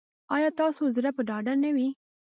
ایا ستاسو زړه به ډاډه نه وي؟